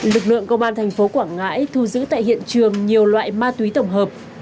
lực lượng công an tp quảng ngãi thu giữ tại hiện trường nhiều loại ma túy tổng hợp